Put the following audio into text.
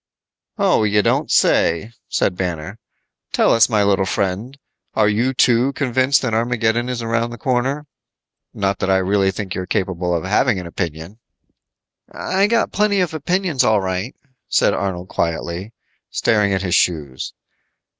"Oh, you don't say," said Banner. "Tell us, my little friend, are you too, convinced that Armageddon is around the corner? Not that I really think you're capable of having an opinion." "I got plenty of opinions, all right," said Arnold quietly, staring at his shoes.